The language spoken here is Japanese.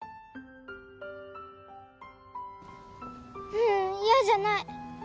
ううん嫌じゃない。